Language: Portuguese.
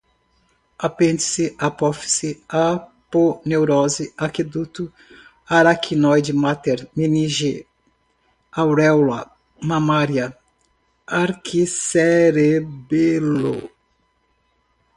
apêndice, apófise, aponeurose, aqueduto, aracnoide-máter, meninge, aréola mamária, arquicerebelo